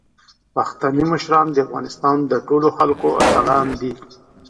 پښتني مشران د افغانستان د ټولو خلکو اتلان دي.